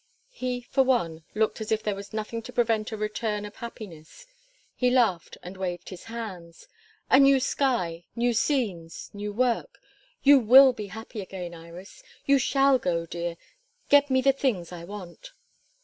He, for one, looked as if there was nothing to prevent a return of happiness. He laughed and waved his hands. "A new sky new scenes new work you will be happy again, Iris. You shall go, dear. Get me the things I want."